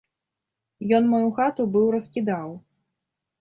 Ён маю хату быў раскідаў.